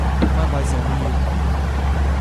Man weiß ja nie.